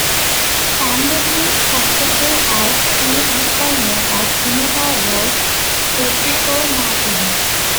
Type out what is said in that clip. Tamburini's successor as chief designer at Bimota was Federico Martini.